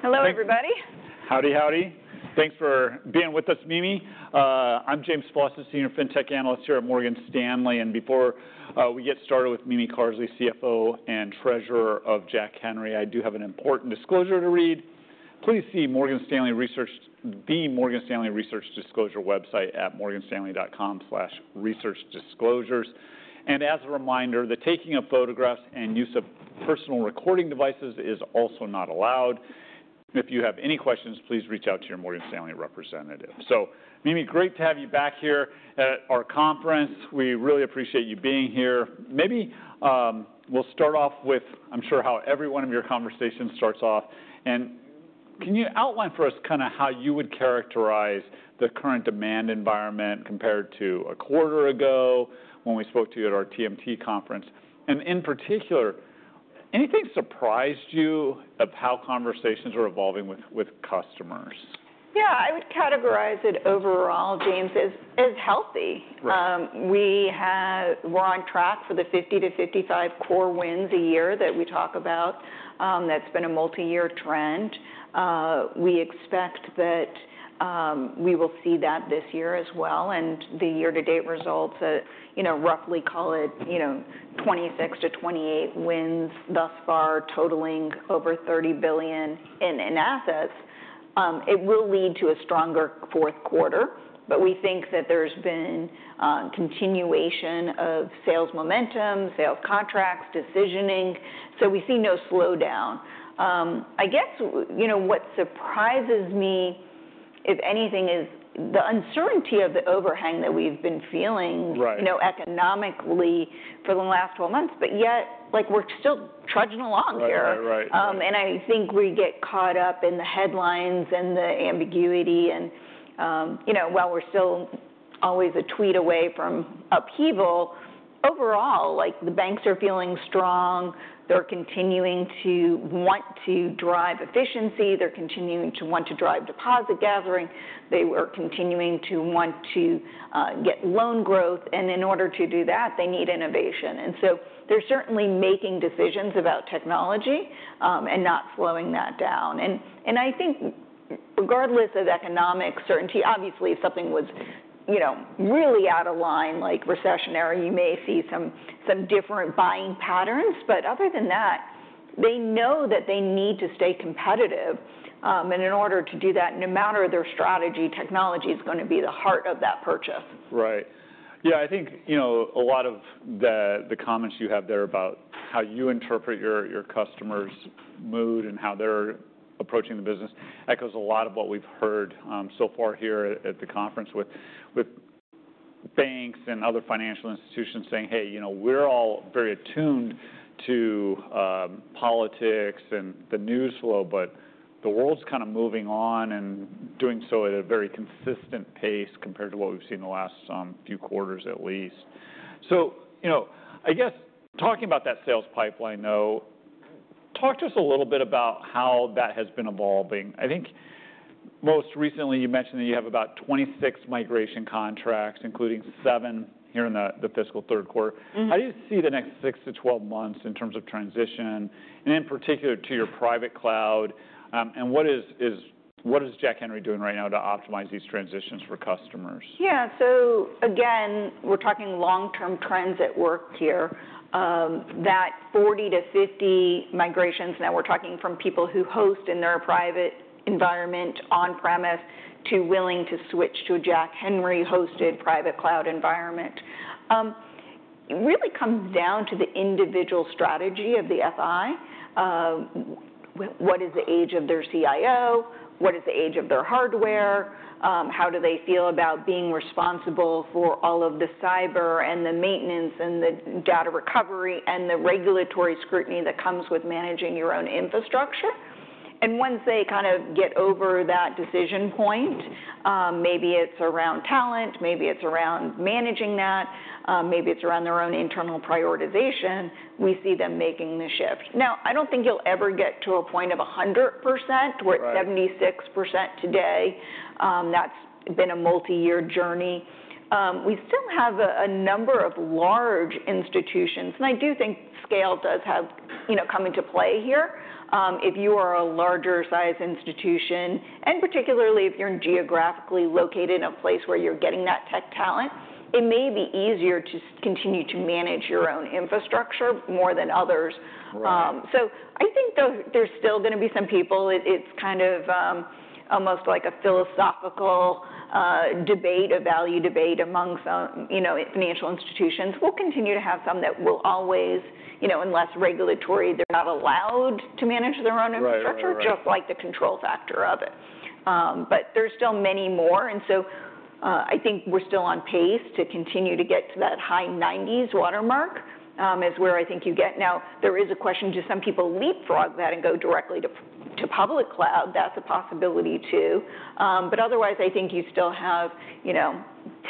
Hello, everybody. Howdy, howdy. Thanks for being with us, Mimi. I'm James Faucette, a senior fintech analyst here at Morgan Stanley. Before we get started with Mimi Carsley, CFO and Treasurer of Jack Henry, I do have an important disclosure to read. Please see the Morgan Stanley Research Disclosure website at morganstanley.com/researchdisclosures. As a reminder, the taking of photographs and use of personal recording devices is also not allowed. If you have any questions, please reach out to your Morgan Stanley representative. Mimi, great to have you back here at our conference. We really appreciate you being here. Maybe we'll start off with, I'm sure, how every one of your conversations starts off. Can you outline for us kind of how you would characterize the current demand environment compared to a quarter ago when we spoke to you at our TMT conference? In particular, anything surprised you of how conversations are evolving with customers? Yeah, I would categorize it overall, James, as healthy. We're on track for the 50-55 core wins a year that we talk about. That's been a multi-year trend. We expect that we will see that this year as well. The year-to-date results, roughly call it 26-28 wins thus far, totaling over $30 billion in assets. It will lead to a stronger fourth quarter. We think that there's been continuation of sales momentum, sales contracts, decisioning. We see no slowdown. I guess what surprises me, if anything, is the uncertainty of the overhang that we've been feeling economically for the last 12 months. Yet, we're still trudging along here. I think we get caught up in the headlines and the ambiguity. While we're still always a tweet away from upheaval, overall, the banks are feeling strong. They're continuing to want to drive efficiency. They're continuing to want to drive deposit gathering. They were continuing to want to get loan growth. In order to do that, they need innovation. They're certainly making decisions about technology and not slowing that down. I think regardless of economic certainty, obviously, if something was really out of line, like recessionary, you may see some different buying patterns. Other than that, they know that they need to stay competitive. In order to do that, no matter their strategy, technology is going to be the heart of that purchase. Right. Yeah, I think a lot of the comments you have there about how you interpret your customers' mood and how they're approaching the business echoes a lot of what we've heard so far here at the conference with banks and other financial institutions saying, hey, we're all very attuned to politics and the news flow. The world's kind of moving on and doing so at a very consistent pace compared to what we've seen the last few quarters, at least. I guess talking about that sales pipeline, though, talk to us a little bit about how that has been evolving. I think most recently, you mentioned that you have about 26 migration contracts, including seven here in the fiscal third quarter. How do you see the next six to 12 months in terms of transition, and in particular to your private cloud? What is Jack Henry doing right now to optimize these transitions for customers? Yeah, so again, we're talking long-term trends at work here. That 40-50 migrations now, we're talking from people who host in their private environment on-premise to willing to switch to a Jack Henry-hosted private cloud environment. It really comes down to the individual strategy of the FI. What is the age of their CIO? What is the age of their hardware? How do they feel about being responsible for all of the cyber and the maintenance and the data recovery and the regulatory scrutiny that comes with managing your own infrastructure? Once they kind of get over that decision point, maybe it's around talent, maybe it's around managing that, maybe it's around their own internal prioritization, we see them making the shift. I don't think you'll ever get to a point of 100%. We're at 76% today. That's been a multi-year journey. We still have a number of large institutions. I do think scale does come into play here. If you are a larger-sized institution, and particularly if you're geographically located in a place where you're getting that tech talent, it may be easier to continue to manage your own infrastructure more than others. I think there's still going to be some people. It's kind of almost like a philosophical debate, a value debate among financial institutions. We'll continue to have some that will always, unless regulatory, they're not allowed to manage their own infrastructure, just like the control factor of it. There's still many more. I think we're still on pace to continue to get to that high 90% watermark is where I think you get. Now, there is a question, do some people leapfrog that and go directly to public cloud? That's a possibility too. Otherwise, I think you still have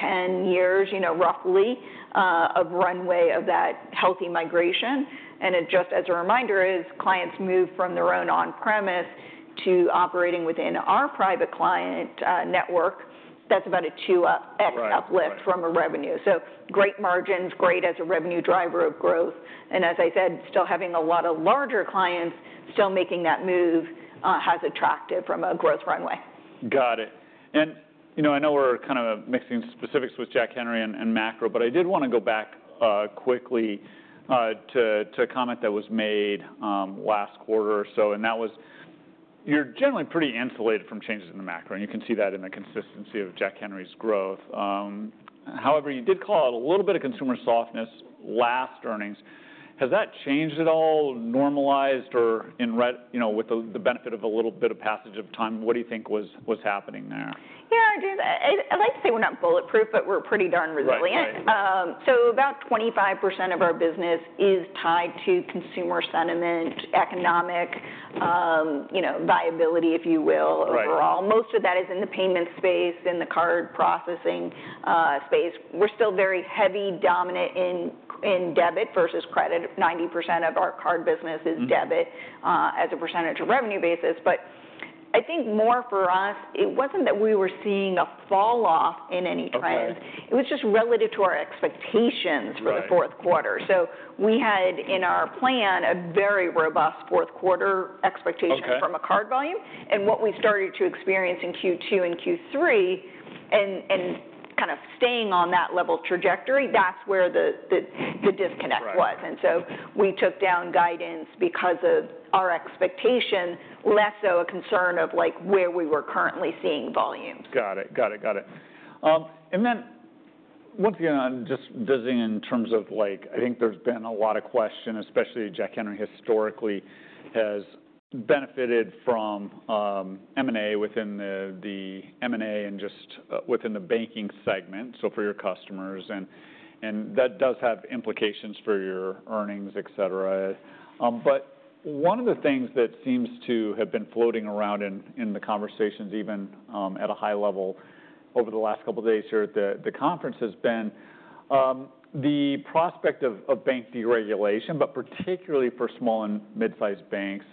10 years, roughly, of runway of that healthy migration. Just as a reminder, as clients move from their own on-premise to operating within our private client network, that is about a 2x uplift from a revenue. Great margins, great as a revenue driver of growth. As I said, still having a lot of larger clients still making that move has attracted from a growth runway. Got it. I know we're kind of mixing specifics with Jack Henry and macro, but I did want to go back quickly to a comment that was made last quarter or so. That was you're generally pretty insulated from changes in the macro. You can see that in the consistency of Jack Henry's growth. However, you did call out a little bit of consumer softness last earnings. Has that changed at all, normalized, or with the benefit of a little bit of passage of time, what do you think was happening there? Yeah, I'd like to say we're not bulletproof, but we're pretty darn resilient. About 25% of our business is tied to consumer sentiment, economic viability, if you will, overall. Most of that is in the payment space, in the card processing space. We're still very heavy dominant in debit versus credit. 90% of our card business is debit as a percentage of revenue basis. I think more for us, it wasn't that we were seeing a falloff in any trends. It was just relative to our expectations for the fourth quarter. We had in our plan a very robust fourth quarter expectation from a card volume. What we started to experience in Q2 and Q3 and kind of staying on that level trajectory, that's where the disconnect was. We took down guidance because of our expectation, less so a concern of where we were currently seeing volumes. Got it. Got it. And then once again, just visiting in terms of I think there's been a lot of question, especially Jack Henry historically has benefited from M&A within the M&A and just within the banking segment, for your customers. That does have implications for your earnings, et cetera. One of the things that seems to have been floating around in the conversations, even at a high level over the last couple of days here at the conference, has been the prospect of bank deregulation, particularly for small and mid-sized banks.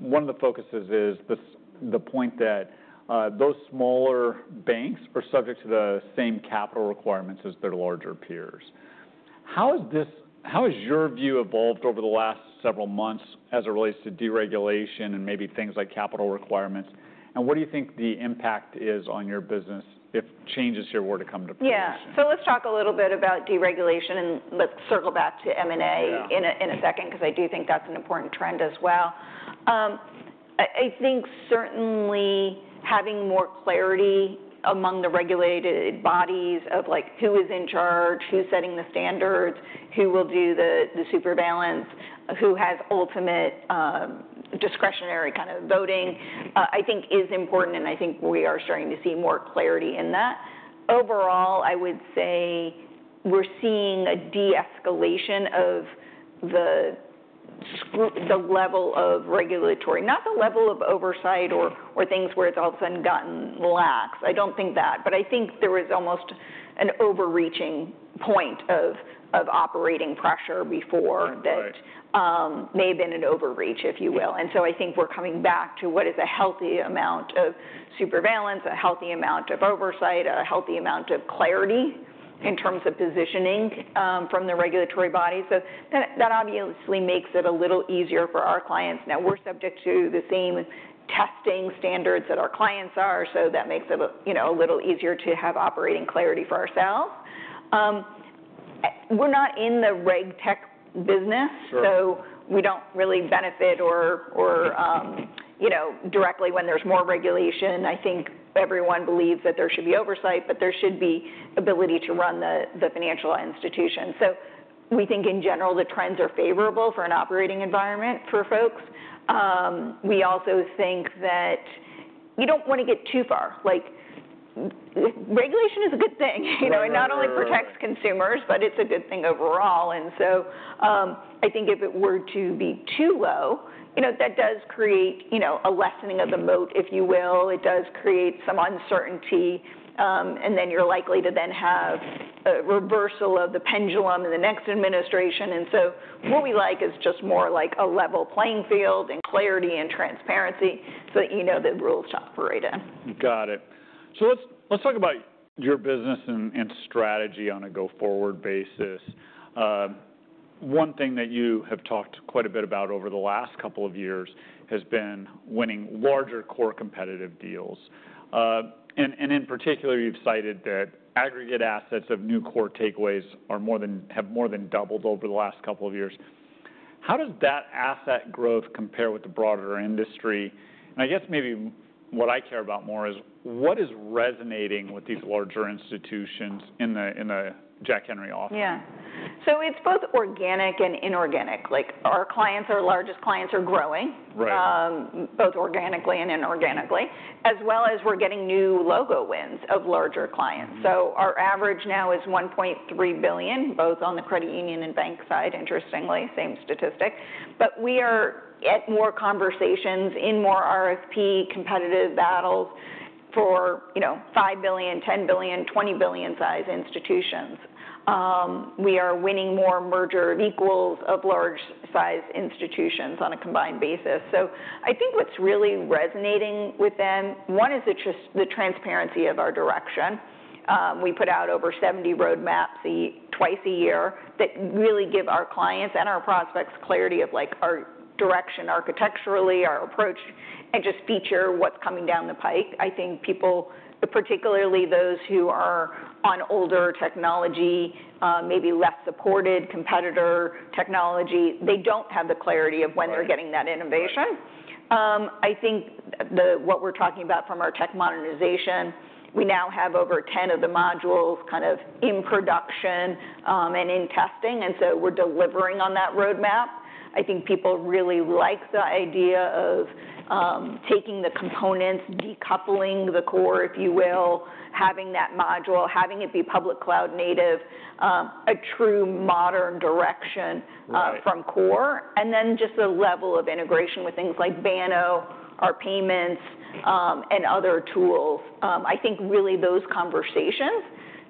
One of the focuses is the point that those smaller banks are subject to the same capital requirements as their larger peers. How has your view evolved over the last several months as it relates to deregulation and maybe things like capital requirements? What do you think the impact is on your business if changes here were to come to fruition? Yeah. Let's talk a little bit about deregulation. Let's circle back to M&A in a second, because I do think that's an important trend as well. I think certainly having more clarity among the regulated bodies of who is in charge, who's setting the standards, who will do the surveillance, who has ultimate discretionary kind of voting, I think is important. I think we are starting to see more clarity in that. Overall, I would say we're seeing a de-escalation of the level of regulatory, not the level of oversight or things where it's all of a sudden gotten lax. I don't think that. I think there was almost an overreaching point of operating pressure before that may have been an overreach, if you will. I think we're coming back to what is a healthy amount of surveillance, a healthy amount of oversight, a healthy amount of clarity in terms of positioning from the regulatory bodies. That obviously makes it a little easier for our clients. Now, we're subject to the same testing standards that our clients are. That makes it a little easier to have operating clarity for ourselves. We're not in the reg tech business. We don't really benefit directly when there's more regulation. I think everyone believes that there should be oversight, but there should be ability to run the financial institution. We think in general, the trends are favorable for an operating environment for folks. We also think that you don't want to get too far. Regulation is a good thing. It not only protects consumers, but it's a good thing overall. I think if it were to be too low, that does create a lessening of the moat, if you will. It does create some uncertainty. You are likely to then have a reversal of the pendulum in the next administration. What we like is just more like a level playing field and clarity and transparency so that you know the rules to operate in. Got it. Let's talk about your business and strategy on a go-forward basis. One thing that you have talked quite a bit about over the last couple of years has been winning larger core competitive deals. In particular, you've cited that aggregate assets of new core takeaways have more than doubled over the last couple of years. How does that asset growth compare with the broader industry? I guess maybe what I care about more is what is resonating with these larger institutions in the Jack Henry office? Yeah. So it's both organic and inorganic. Our clients, our largest clients, are growing both organically and inorganically, as well as we're getting new logo wins of larger clients. So our average now is $1.3 billion, both on the credit union and bank side, interestingly, same statistic. We are at more conversations in more RFP competitive battles for $5 billion, $10 billion, $20 billion size institutions. We are winning more merger of equals of large-sized institutions on a combined basis. I think what's really resonating with them, one is the transparency of our direction. We put out over 70 roadmaps twice a year that really give our clients and our prospects clarity of our direction architecturally, our approach, and just feature what's coming down the pike. I think people, particularly those who are on older technology, maybe less supported competitor technology, they do not have the clarity of when they are getting that innovation. I think what we are talking about from our tech modernization, we now have over 10 of the modules kind of in production and in testing. We are delivering on that roadmap. I think people really like the idea of taking the components, decoupling the core, if you will, having that module, having it be public cloud native, a true modern direction from core, and then just the level of integration with things like Banno, our payments, and other tools. I think really those conversations,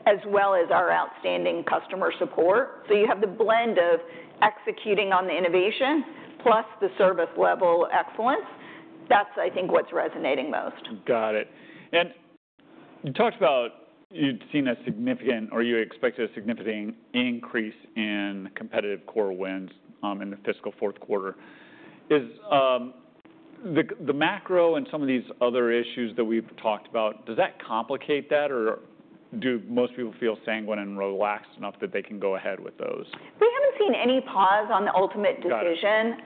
as well as our outstanding customer support. You have the blend of executing on the innovation plus the service level excellence. That is, I think, what is resonating most. Got it. You talked about you'd seen a significant or you expected a significant increase in competitive core wins in the fiscal fourth quarter. The macro and some of these other issues that we've talked about, does that complicate that? Do most people feel sanguine and relaxed enough that they can go ahead with those? We haven't seen any pause on the ultimate decision.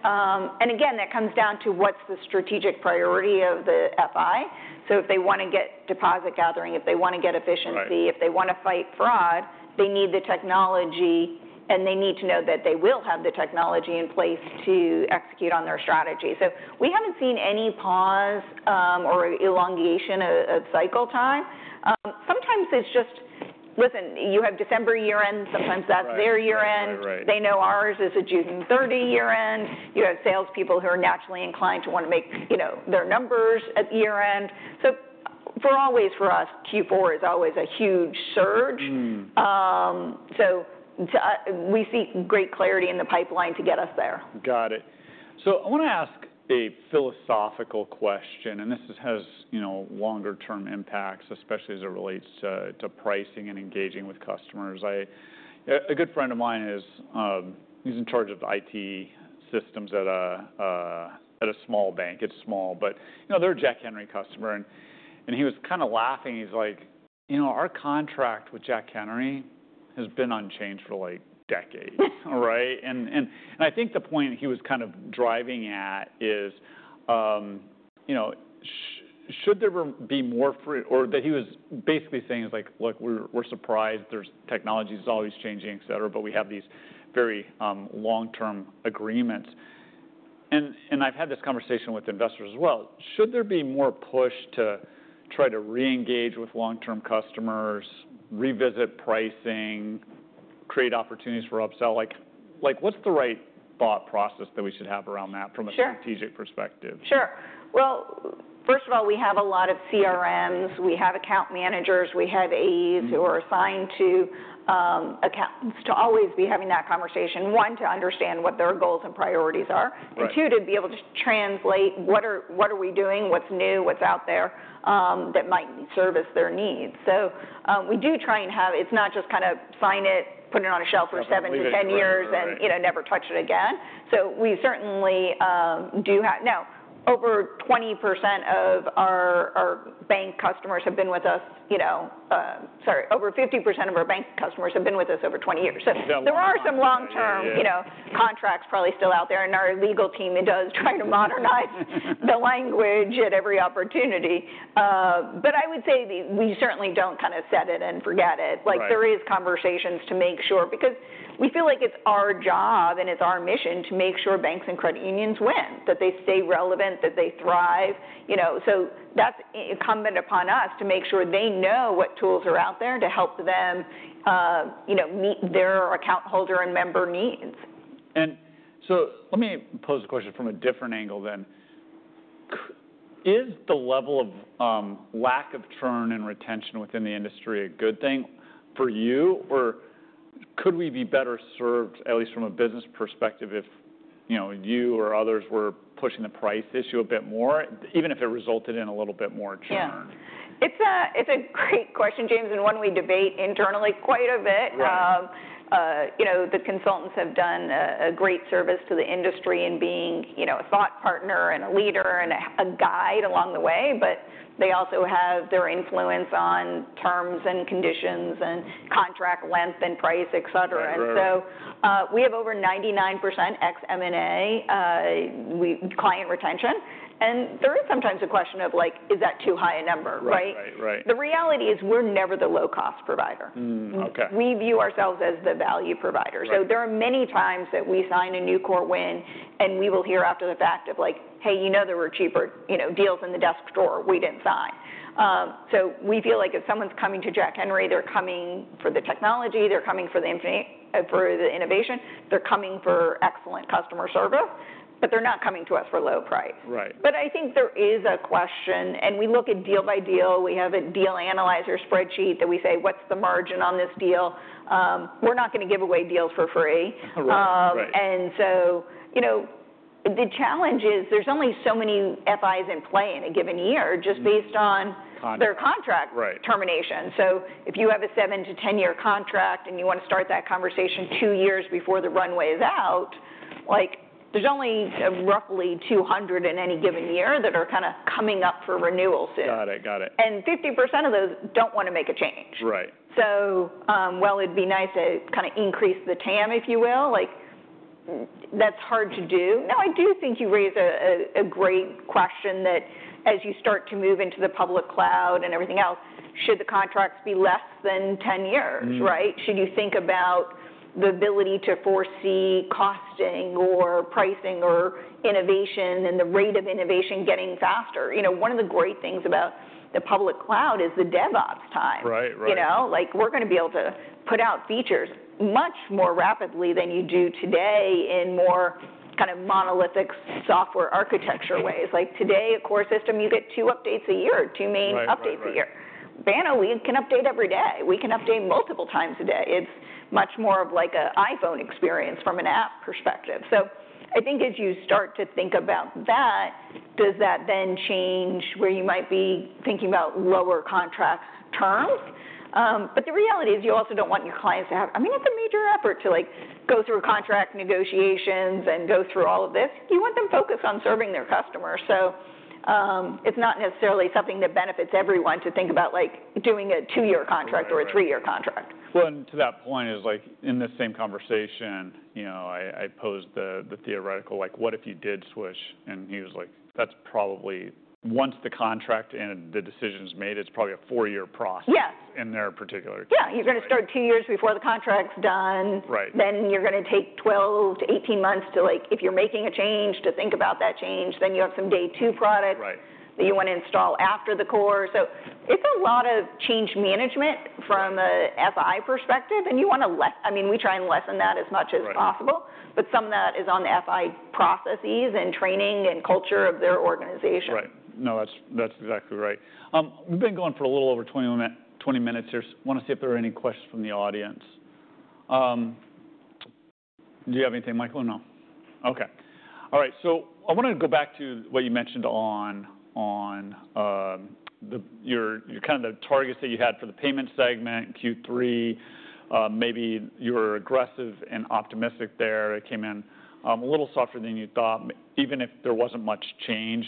Again, that comes down to what's the strategic priority of the FI. If they want to get deposit gathering, if they want to get efficiency, if they want to fight fraud, they need the technology. They need to know that they will have the technology in place to execute on their strategy. We haven't seen any pause or elongation of cycle time. Sometimes it's just, listen, you have December year-end. Sometimes that's their year-end. They know ours is a June 30 year-end. You have salespeople who are naturally inclined to want to make their numbers at year-end. For us, Q4 is always a huge surge. We see great clarity in the pipeline to get us there. Got it. I want to ask a philosophical question. This has longer-term impacts, especially as it relates to pricing and engaging with customers. A good friend of mine, he's in charge of the IT systems at a small bank. It's small. They're a Jack Henry customer. He was kind of laughing. He's like, our contract with Jack Henry has been unchanged for decades. I think the point he was kind of driving at is, should there be more or what he was basically saying is like, look, we're surprised. There's technology is always changing, et cetera, but we have these very long-term agreements. I've had this conversation with investors as well. Should there be more push to try to re-engage with long-term customers, revisit pricing, create opportunities for upsell? What's the right thought process that we should have around that from a strategic perspective? Sure. First of all, we have a lot of CRMs. We have account managers. We have aides who are assigned to accountants to always be having that conversation, one, to understand what their goals and priorities are, and two, to be able to translate what are we doing, what's new, what's out there that might service their needs. We do try and have it's not just kind of sign it, put it on a shelf for seven-10 years, and never touch it again. We certainly do have. Now, over 20% of our bank customers have been with us. Sorry, over 50% of our bank customers have been with us over 20 years. There are some long-term contracts probably still out there. Our legal team does try to modernize the language at every opportunity. I would say we certainly do not kind of set it and forget it. There are conversations to make sure because we feel like it is our job and it is our mission to make sure banks and credit unions win, that they stay relevant, that they thrive. That is incumbent upon us to make sure they know what tools are out there to help them meet their account holder and member needs. Let me pose a question from a different angle then. Is the level of lack of churn and retention within the industry a good thing for you? Could we be better served, at least from a business perspective, if you or others were pushing the price issue a bit more, even if it resulted in a little bit more churn? Yeah. It's a great question, James, and one we debate internally quite a bit. The consultants have done a great service to the industry in being a thought partner and a leader and a guide along the way. They also have their influence on terms and conditions and contract length and price, et cetera. We have over 99% ex-M&A client retention. There is sometimes a question of, is that too high a number? The reality is we're never the low-cost provider. We view ourselves as the value provider. There are many times that we sign a new core win, and we will hear after the fact of, hey, you know there were cheaper deals in the desk drawer we didn't sign. We feel like if someone's coming to Jack Henry, they're coming for the technology. They're coming for the innovation. They're coming for excellent customer service. They're not coming to us for low price. I think there is a question. We look at deal by deal. We have a deal analyzer spreadsheet that we say, what's the margin on this deal? We're not going to give away deals for free. The challenge is there's only so many FIs in play in a given year just based on their contract termination. If you have a seven to 10-year contract and you want to start that conversation two years before the runway is out, there's only roughly 200 in any given year that are kind of coming up for renewal soon. 50% of those don't want to make a change. While it'd be nice to kind of increase the TAM, if you will, that's hard to do. Now, I do think you raise a great question that as you start to move into the public cloud and everything else, should the contracts be less than 10 years? Should you think about the ability to foresee costing or pricing or innovation and the rate of innovation getting faster? One of the great things about the public cloud is the DevOps time. We're going to be able to put out features much more rapidly than you do today in more kind of monolithic software architecture ways. Today, a core system, you get two updates a year, two main updates a year. Banno can update every day. We can update multiple times a day. It's much more of like an iPhone experience from an app perspective. I think as you start to think about that, does that then change where you might be thinking about lower contract terms? The reality is you also do not want your clients to have, I mean, it is a major effort to go through contract negotiations and go through all of this. You want them focused on serving their customers. It is not necessarily something that benefits everyone to think about doing a two-year contract or a three-year contract. In this same conversation, I posed the theoretical, what if you did switch? He was like, that's probably once the contract and the decision is made, it's probably a four-year process in their particular case. Yeah. You're going to start two years before the contract's done. Then you're going to take 12-18 months to, if you're making a change, to think about that change. Then you have some day two product that you want to install after the core. It is a lot of change management from an FI perspective. You want to, I mean, we try and lessen that as much as possible. Some of that is on the FI processes and training and culture of their organization. Right. No, that's exactly right. We've been going for a little over 20 minutes here. Want to see if there are any questions from the audience. Do you have anything, Michael? No. Okay. All right. I want to go back to what you mentioned on your kind of the targets that you had for the payment segment, Q3. Maybe you were aggressive and optimistic there. It came in a little softer than you thought, even if there wasn't much change.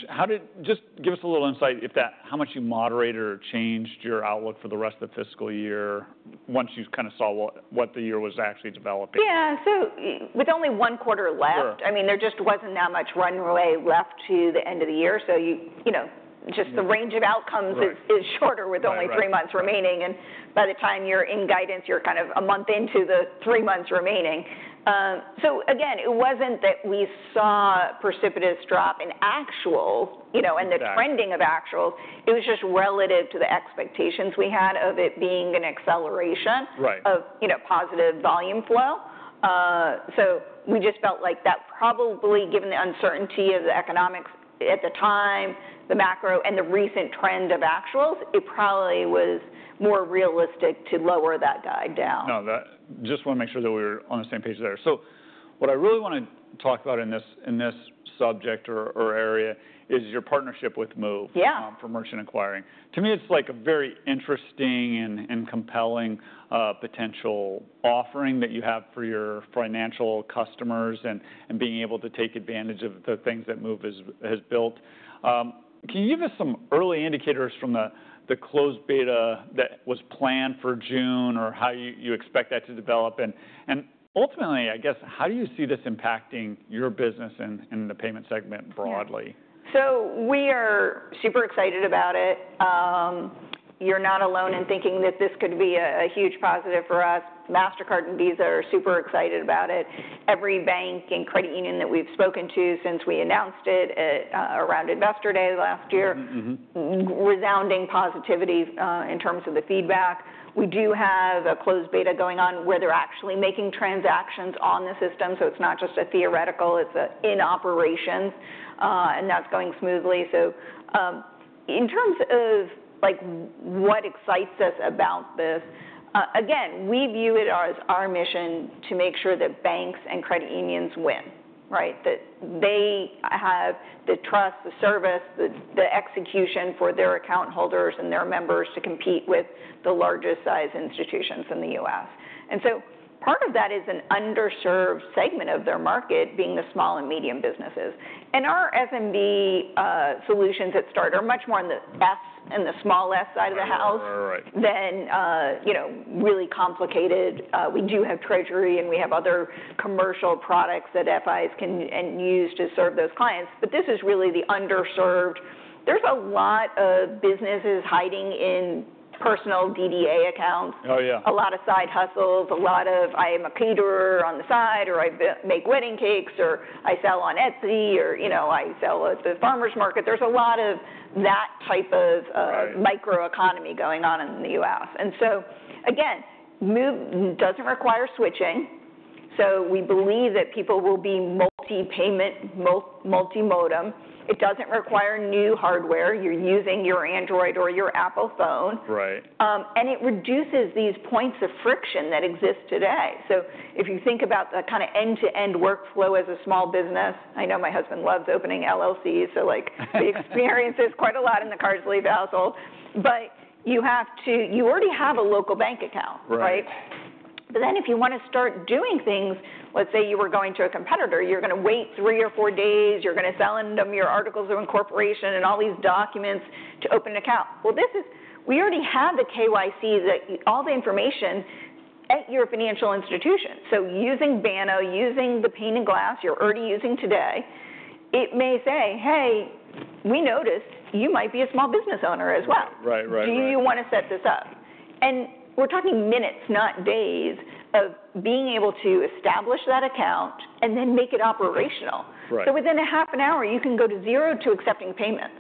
Just give us a little insight if that, how much you moderated or changed your outlook for the rest of the fiscal year once you kind of saw what the year was actually developing? Yeah. With only one quarter left, I mean, there just was not that much runway left to the end of the year. Just the range of outcomes is shorter with only three months remaining. By the time you are in guidance, you are kind of a month into the three months remaining. Again, it was not that we saw a precipitous drop in actual and the trending of actuals. It was just relative to the expectations we had of it being an acceleration of positive volume flow. We just felt like that probably, given the uncertainty of the economics at the time, the macro, and the recent trend of actuals, it probably was more realistic to lower that guide down. No. Just want to make sure that we're on the same page there. What I really want to talk about in this subject or area is your partnership with Moov for merchant acquiring. To me, it's like a very interesting and compelling potential offering that you have for your financial customers and being able to take advantage of the things that Moov has built. Can you give us some early indicators from the closed beta that was planned for June or how you expect that to develop? Ultimately, I guess, how do you see this impacting your business and the payment segment broadly? We are super excited about it. You're not alone in thinking that this could be a huge positive for us. MasterCard and Visa are super excited about it. Every bank and credit union that we've spoken to since we announced it around Investor Day last year, resounding positivity in terms of the feedback. We do have a closed beta going on where they're actually making transactions on the system. It's not just a theoretical. It's in operations. That's going smoothly. In terms of what excites us about this, again, we view it as our mission to make sure that banks and credit unions win, that they have the trust, the service, the execution for their account holders and their members to compete with the largest size institutions in the U.S.. Part of that is an underserved segment of their market being the small and medium businesses. Our SMB solutions at start are much more in the S and the small S side of the house than really complicated. We do have Treasury, and we have other commercial products that FIs can use to serve those clients. This is really the underserved. There are a lot of businesses hiding in personal DDA accounts, a lot of side hustles, a lot of I am a caterer on the side, or I make wedding cakes, or I sell on Etsy, or I sell at the farmer's market. There is a lot of that type of microeconomy going on in the U.S. Moov does not require switching. We believe that people will be multi-payment, multi-modem. It does not require new hardware. You are using your Android or your Apple phone. It reduces these points of friction that exist today. If you think about the kind of end-to-end workflow as a small business, I know my husband loves opening LLCs. The experience is quite a lot in the Carsley vessel. You already have a local bank account. If you want to start doing things, let's say you were going to a competitor, you're going to wait three or four days. You're going to send them your articles of incorporation and all these documents to open an account. We already have the KYC, all the information at your financial institution. Using Banno, using the pane of glass you're already using today, it may say, hey, we noticed you might be a small business owner as well. Do you want to set this up? We're talking minutes, not days, of being able to establish that account and then make it operational. Within a half an hour, you can go from zero to accepting payments,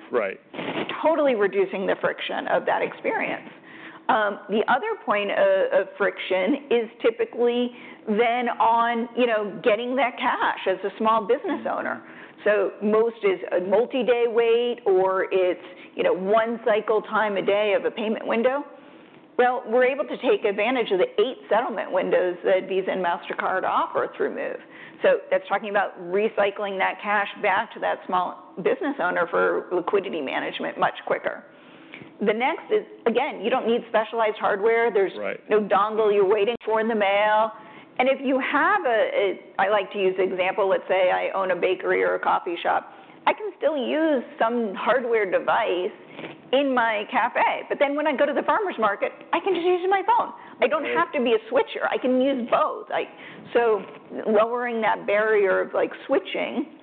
totally reducing the friction of that experience. The other point of friction is typically on getting that cash as a small business owner. Most is a multi-day wait, or it's one cycle time a day of a payment window. We are able to take advantage of the eight settlement windows that Visa and MasterCard offer through Moov. That's talking about recycling that cash back to that small business owner for liquidity management much quicker. The next is, again, you don't need specialized hardware. There's no dongle you're waiting for in the mail. If you have a, I like to use the example, let's say I own a bakery or a coffee shop, I can still use some hardware device in my cafe. When I go to the farmer's market, I can just use my phone. I don't have to be a switcher. I can use both. Lowering that barrier of switching,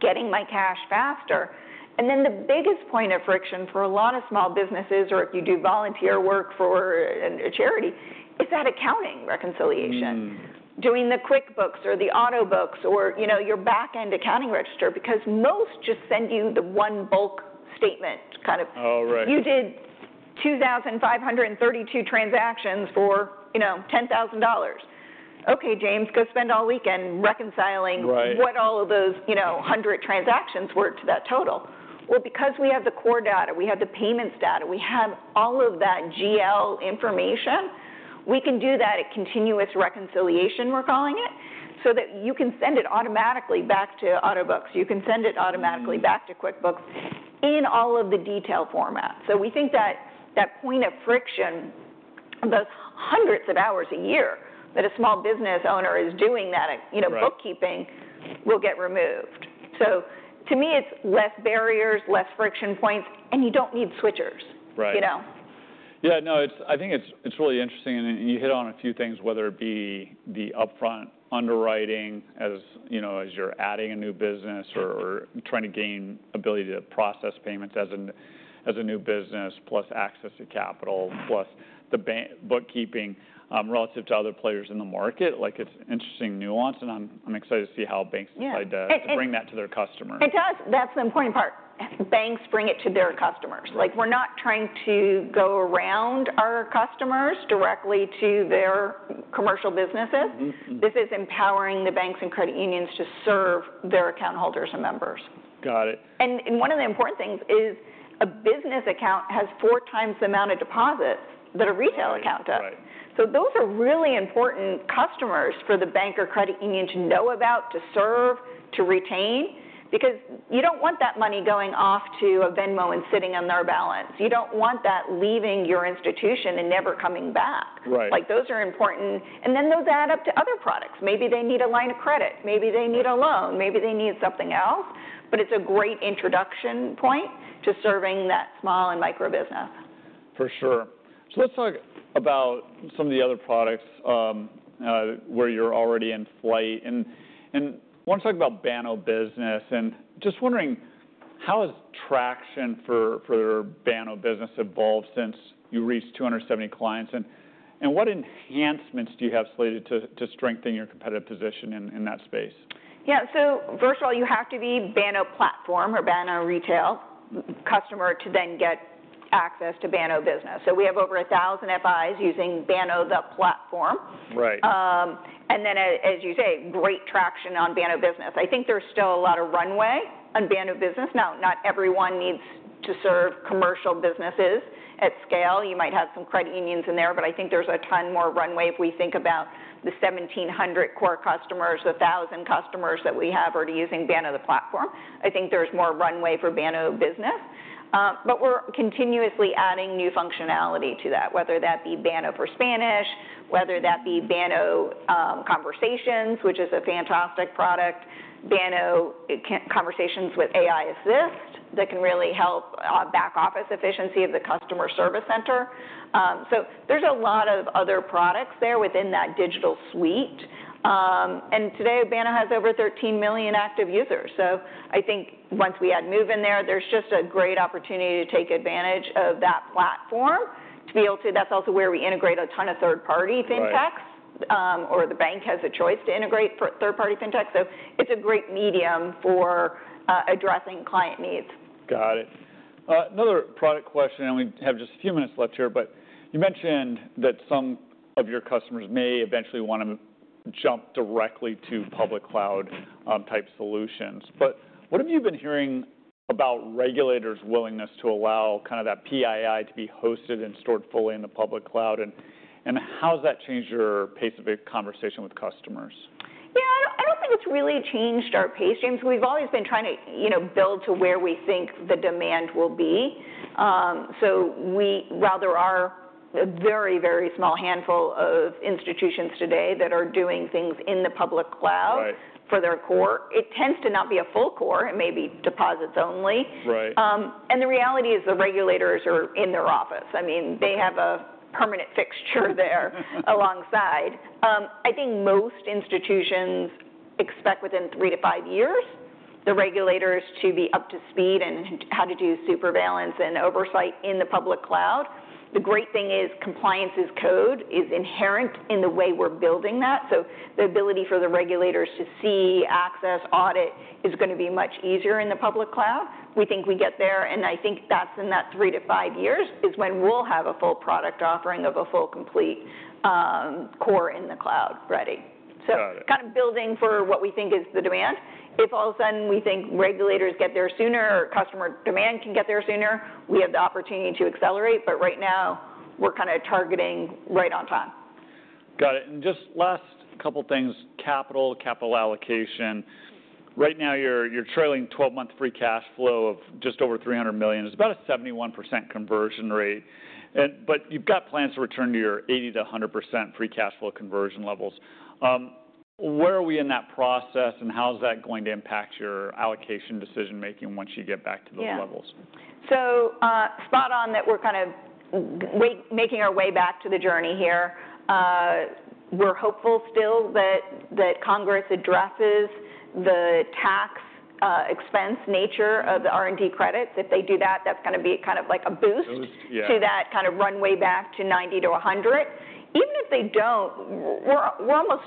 getting my cash faster. The biggest point of friction for a lot of small businesses, or if you do volunteer work for a charity, is that accounting reconciliation, doing the QuickBooks or the Autobooks or your back-end accounting register because most just send you the one bulk statement, kind of, you did 2,532 transactions for $10,000. Okay, James, go spend all weekend reconciling what all of those 100 transactions were to that total. Because we have the core data, we have the payments data, we have all of that GL information, we can do that at continuous reconciliation, we're calling it, so that you can send it automatically back to Autobooks. You can send it automatically back to QuickBooks in all of the detail formats. We think that that point of friction, those hundreds of hours a year that a small business owner is doing that bookkeeping will get removed. To me, it's less barriers, less friction points, and you don't need switchers. Yeah. No, I think it's really interesting. You hit on a few things, whether it be the upfront underwriting as you're adding a new business or trying to gain the ability to process payments as a new business, plus access to capital, plus the bookkeeping relative to other players in the market. It's an interesting nuance. I'm excited to see how banks decide to bring that to their customers. It does. That's the important part. Banks bring it to their customers. We're not trying to go around our customers directly to their commercial businesses. This is empowering the banks and credit unions to serve their account holders and members. One of the important things is a business account has four times the amount of deposits that a retail account does. Those are really important customers for the bank or credit union to know about, to serve, to retain, because you don't want that money going off to a Venmo and sitting on their balance. You don't want that leaving your institution and never coming back. Those are important. Those add up to other products. Maybe they need a line of credit. Maybe they need a loan. Maybe they need something else. It's a great introduction point to serving that small and micro business. For sure. Let's talk about some of the other products where you're already in flight. I want to talk about Banno Business. Just wondering, how has traction for Banno Business evolved since you reached 270 clients? What enhancements do you have slated to strengthen your competitive position in that space? Yeah. First of all, you have to be a Banno platform or Banno retail customer to then get access to Banno Business. We have over 1,000 FIs using Banno, the platform. As you say, great traction on Banno Business. I think there's still a lot of runway on Banno Business. Not everyone needs to serve commercial businesses at scale. You might have some credit unions in there. I think there's a ton more runway if we think about the 1,700 core customers, 1,000 customers that we have already using Banno, the platform. I think there's more runway for Banno Business. We're continuously adding new functionality to that, whether that be Banno for Spanish, whether that be Banno Conversations, which is a fantastic product, Banno Conversations with AI Assist that can really help back office efficiency of the customer service center. There is a lot of other products there within that digital suite. Today, Banno has over 13 million active users. I think once we add Moov in there, there is just a great opportunity to take advantage of that platform to be able to, that is also where we integrate a ton of third-party fintechs, or the bank has a choice to integrate third-party fintechs. It is a great medium for addressing client needs. Got it. Another product question, and we have just a few minutes left here. You mentioned that some of your customers may eventually want to jump directly to public cloud-type solutions. What have you been hearing about regulators' willingness to allow kind of that PII to be hosted and stored fully in the public cloud? How has that changed your pace of conversation with customers? Yeah. I don't think it's really changed our pace, James. We've always been trying to build to where we think the demand will be. We, rather, are a very, very small handful of institutions today that are doing things in the public cloud for their core. It tends to not be a full core. It may be deposits only. The reality is the regulators are in their office. I mean, they have a permanent fixture there alongside. I think most institutions expect within three to five years the regulators to be up to speed in how to do supervision and oversight in the public cloud. The great thing is compliance as code is inherent in the way we're building that. The ability for the regulators to see, access, audit is going to be much easier in the public cloud. We think we get there. I think that's in that three to five years is when we'll have a full product offering of a full complete core in the cloud ready. Kind of building for what we think is the demand. If all of a sudden we think regulators get there sooner, customer demand can get there sooner, we have the opportunity to accelerate. Right now, we're kind of targeting right on time. Got it. Just last couple of things, capital, capital allocation. Right now, your trailing 12-month free cash flow of just over $300 million. It's about a 71% conversion rate. You've got plans to return to your 80%-100% free cash flow conversion levels. Where are we in that process, and how is that going to impact your allocation decision-making once you get back to those levels? Yeah. Spot on that we're kind of making our way back to the journey here. We're hopeful still that Congress addresses the tax expense nature of the R&D credits. If they do that, that's going to be kind of like a boost to that kind of runway back to 90%-100%. Even if they do not, we're almost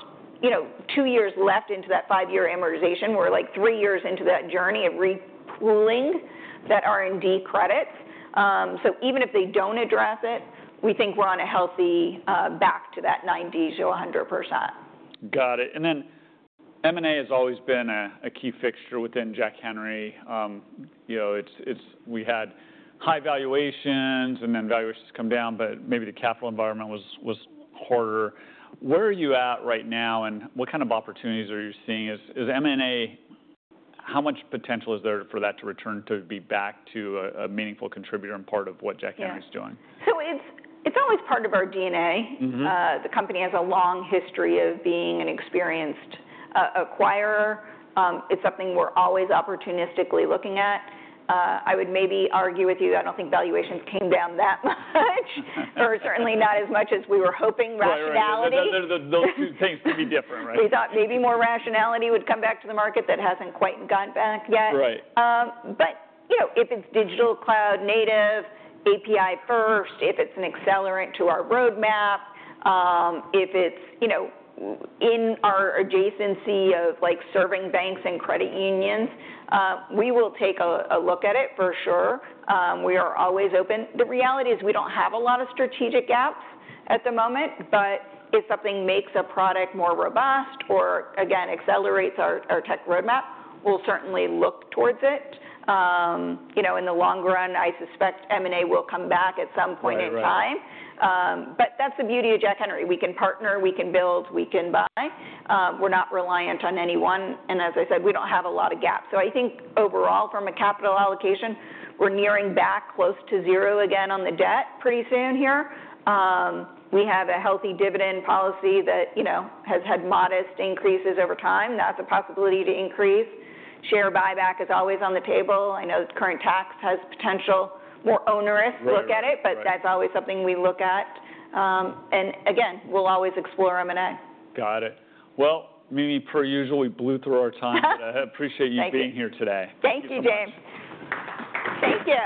two years left into that five-year amortization. We're like three years into that journey of repooling that R&D credits. Even if they do not address it, we think we're on a healthy back to that 90%-100%. Got it. M&A has always been a key fixture within Jack Henry. We had high valuations, and then valuations come down, but maybe the capital environment was harder. Where are you at right now, and what kind of opportunities are you seeing? How much potential is there for that to return to be back to a meaningful contributor and part of what Jack Henry is doing? Yeah. It is always part of our DNA. The company has a long history of being an experienced acquirer. It is something we are always opportunistically looking at. I would maybe argue with you that I do not think valuations came down that much, or certainly not as much as we were hoping. Rationality. Those two things could be different, right? We thought maybe more rationality would come back to the market. That has not quite gone back yet. If it is digital cloud native, API first, if it is an accelerant to our roadmap, if it is in our adjacency of serving banks and credit unions, we will take a look at it for sure. We are always open. The reality is we do not have a lot of strategic gaps at the moment. If something makes a product more robust or, again, accelerates our tech roadmap, we will certainly look towards it. In the long run, I suspect M&A will come back at some point in time. That is the beauty of Jack Henry. We can partner. We can build. We can buy. We are not reliant on anyone. As I said, we do not have a lot of gaps. I think overall, from a capital allocation, we're nearing back close to zero again on the debt pretty soon here. We have a healthy dividend policy that has had modest increases over time. That's a possibility to increase. Share buyback is always on the table. I know current tax has potential more onerous look at it, but that's always something we look at. Again, we'll always explore M&A. Got it. Mimi, per usual, we blew through our time. I appreciate you being here today. Thank you, James. Thank you.